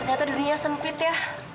ternyata dunia sempit ya